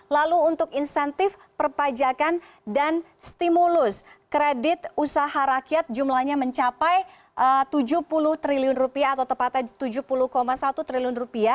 lalu untuk insentif perpajakan dan stimulus kredit usaha rakyat jumlahnya mencapai rp tujuh puluh triliun atau tepatnya rp tujuh puluh satu triliun